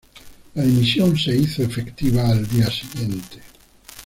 La dimisión se hizo efectiva al día siguiente.